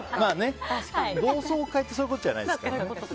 同窓会ってそういうことじゃないですから。